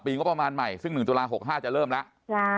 งบประมาณใหม่ซึ่ง๑ตุลา๖๕จะเริ่มแล้ว